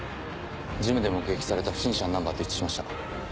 ジムで目撃された不審車のナンバーと一致しました。